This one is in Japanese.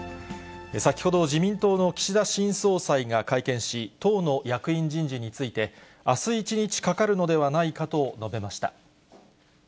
先ほど、自民党の岸田新総裁が会見し、党の役員人事について、あす一日かかるのではないかと述べました。